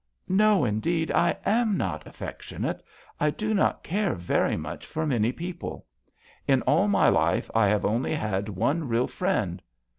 ''No, indeed, I am not affec tionate ; I do not care very much for many people. In all my life I have only had one real friend.